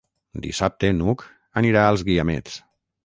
Dissabte n'Hug anirà als Guiamets.